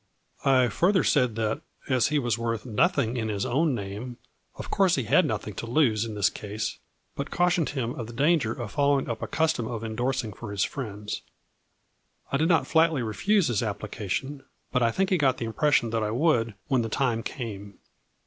I further said that, as he was worth nothing in his own name, of course he had nothing to lose in this case, but cautioned him of the danger of following up a custom of indorsing for his friends. I did not flatly refuse his application, but I think he got the impression that I would when the time came.